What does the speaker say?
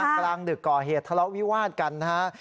กลางดึกก่อเหตุทะเลาะวิวาดกันนะฮะ